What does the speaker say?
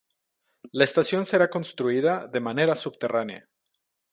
La estación será construida de manera subterránea.